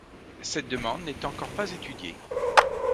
Cette demande n'est encore pas étudiée.